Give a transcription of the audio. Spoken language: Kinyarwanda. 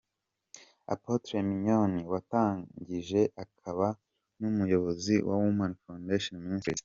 Apotre Mignonne watangije akaba n'umuyobozi wa Women Foundation Ministries.